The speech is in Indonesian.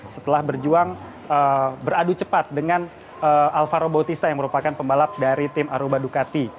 setelah berjuang beradu cepat dengan alvaro bautista yang merupakan pembalap dari tim aruba ducati